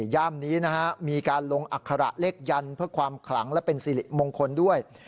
ย่ามนี้นะฮะมีการลงอัคระเลขยันเพื่อความขลังและเป็นสิริมงคลด้วย